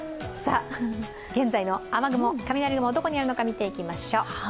現在の雨雲、雷雲どこにあるのか見ていきましょう。